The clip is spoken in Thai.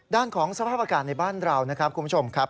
ด้านของสภาพอากาศในบ้านเรานะครับคุณผู้ชมครับ